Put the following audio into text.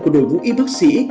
của đội vũ y bác sĩ